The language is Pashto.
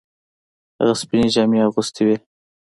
هغه سپینې جامې اغوستې وې.